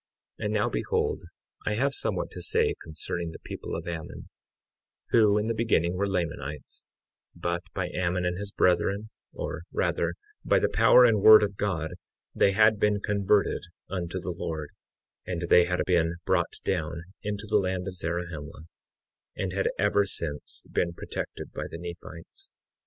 53:10 And now behold, I have somewhat to say concerning the people of Ammon, who in the beginning, were Lamanites; but by Ammon and his brethren, or rather by the power and word of God, they had been converted unto the Lord; and they had been brought down into the land of Zarahemla, and had ever since been protected by the Nephites.